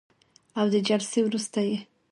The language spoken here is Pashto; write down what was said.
او د جلسې وروسته یې